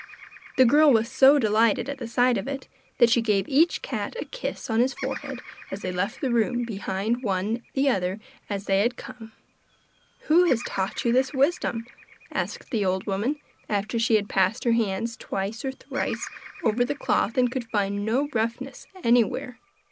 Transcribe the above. The girl was so delighted at the sight of it that she gave each cat a kiss on his forehead as they left the room behind one the other as they had come. 'Who has taught you this wisdom?' asked the old woman, after she had passed her hands twice or thrice over the cloth and could find no roughness anywhere.